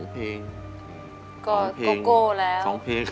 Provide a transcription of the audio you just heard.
๒เพศ